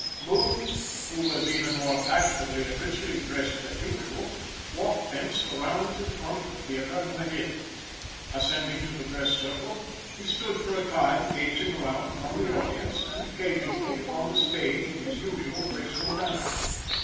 Booth who was even more fashionably and richly dressed than usual, walked thence around to the front of the theater, and went in. Ascending to the dress circle, he stood for a little time gazing around upon the audience and occasionally upon the stage in his usual graceful manner.